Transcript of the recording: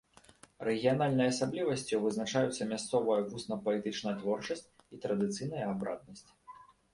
Рэгіянальнай асаблівасцю вызначаюцца мясцовая вусна-паэтычная творчасць і традыцыйная абраднасць.